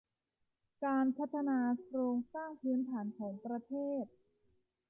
การพัฒนาโครงสร้างพื้นฐานของประเทศ